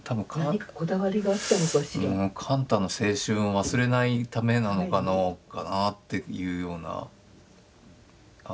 貫多の青春を忘れないためなのかなぁっていうような。